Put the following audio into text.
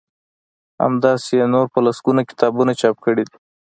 همداسی يې نور په لسګونه کتابونه چاپ کړي دي